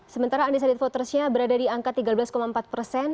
sementara undecided votersnya berada di angka tiga belas empat persen